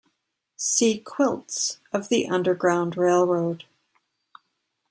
See Quilts of the Underground Railroad.